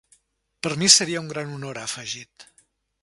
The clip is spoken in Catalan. Per mi seria un gran honor, ha afegit.